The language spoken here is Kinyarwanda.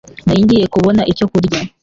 Nari ngiye kubona icyo kurya.